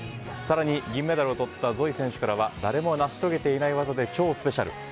更に銀メダルをとったゾイ選手からは誰も成し遂げていない技で超スペシャル。